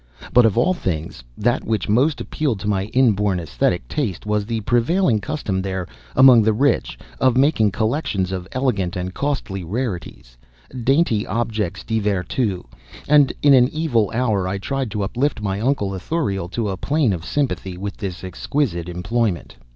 But of all things, that which most appealed to my inborn esthetic taste was the prevailing custom there, among the rich, of making collections of elegant and costly rarities, dainty objets de vertu, and in an evil hour I tried to uplift my uncle Ithuriel to a plane of sympathy with this exquisite employment.